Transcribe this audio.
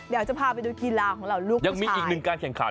เดี๋ยวจะพาไปดูกีฬาของเราลูกยังมีอีกหนึ่งการแข่งขัน